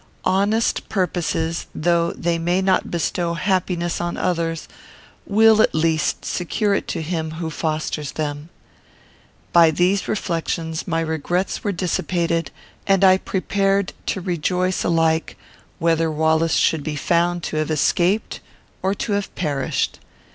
Honest purposes, though they may not bestow happiness on others, will, at least, secure it to him who fosters them. By these reflections my regrets were dissipated, and I prepared to rejoice alike, whether Wallace should be found to have escaped or to have perished.